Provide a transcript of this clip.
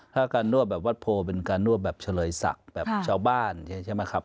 ถ้าการนวดแบบวัดโพเป็นการนวดแบบเฉลยศักดิ์แบบชาวบ้านใช่ไหมครับ